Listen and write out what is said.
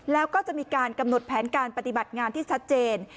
แล้วก็จะมีการกำหนดแผนการปฏิบัติงานที่ชัดเจน